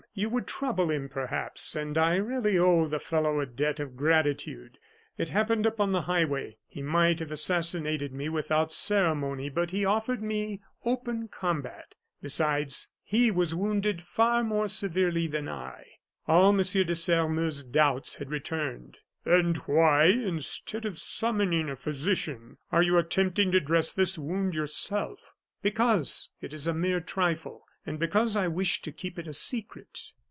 You would trouble him, perhaps; and I really owe the fellow a debt of gratitude. It happened upon the highway; he might have assassinated me without ceremony, but he offered me open combat. Besides, he was wounded far more severely than I." All M. de Sairmeuse's doubts had returned. "And why, instead of summoning a physician, are you attempting to dress this wound yourself?" "Because it is a mere trifle, and because I wish to keep it a secret."